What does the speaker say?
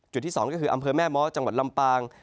ที่๒ก็คืออำเภอแม่ม้อจังหวัดลำปาง